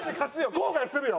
後悔するよ！